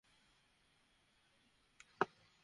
মনে হয় না আমাদের পার্সিমন গাছ আছে।